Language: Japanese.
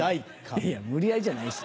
いや無理やりじゃないし。